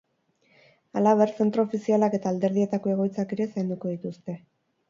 Halaber, zentro ofizialak eta alderdietako egoitzak ere zainduko dituzte.